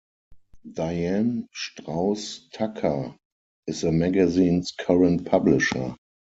Diane Straus Tucker is the magazine's current publisher.